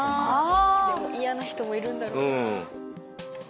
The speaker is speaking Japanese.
嫌な人もいるんだろうな。